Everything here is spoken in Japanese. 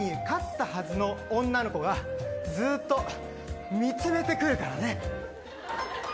勝ったはずの女の子がずっと見詰めて来るからね。